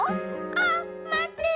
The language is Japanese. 「あっまって。